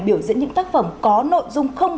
biểu diễn những tác phẩm có nội dung không